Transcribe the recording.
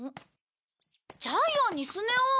ジャイアンにスネ夫！